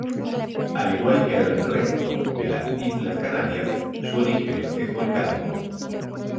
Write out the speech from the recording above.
Al igual que el resto de las islas Canarias, su origen es volcánico.